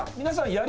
皆さん。